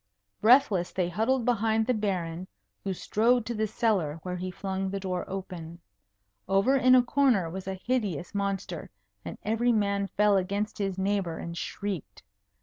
Breathless they huddled behind the Baron, who strode to the cellar, where he flung the door open. Over in a corner was a hideous monster, and every man fell against his neighbour and shrieked.